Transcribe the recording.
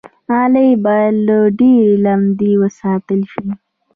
غالۍ باید له ډېرې لمدې وساتل شي.